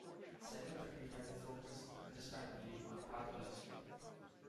Psychotherapy has focused, understandably, on pathology.